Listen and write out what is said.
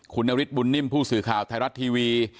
คุณนฤทธบุญนิ่มผู้สื่อข่าวไทยรัฐทีวี